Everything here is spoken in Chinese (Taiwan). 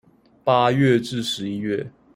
八月至十一月